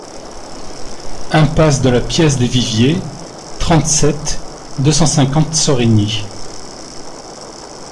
Impasse de la Pièce des Viviers, trente-sept, deux cent cinquante Sorigny